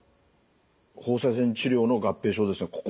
放射線治療の合併症ですね。